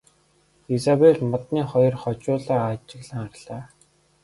Изабель модны хоёр хожуулаа ажиглан харлаа.